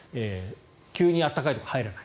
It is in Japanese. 急に温かいところに入らない。